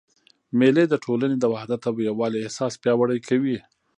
مېلې د ټولني د وحدت او یووالي احساس پیاوړی کوي.